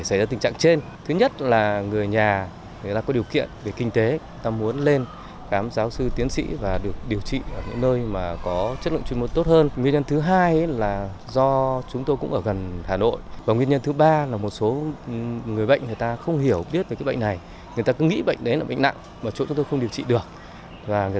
cái bệnh này người ta cứ nghĩ bệnh đấy là bệnh nặng mà chỗ chúng tôi không điều trị được và người